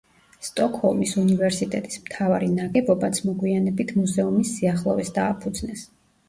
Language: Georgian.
სტოკჰოლმის უნივერსიტეტის მთავარი ნაგებობაც მოგვიანებით მუზეუმის სიახლოვეს დააფუძნეს.